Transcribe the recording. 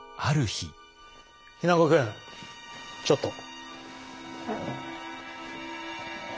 日名子君ちょっと。